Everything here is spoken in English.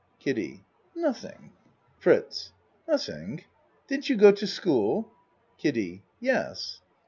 KIDDIE Nothing. FRITZ Nothing? Didn't you go to school? KIDDIE Yes.